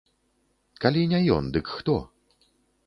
Калі не ён, дык хто?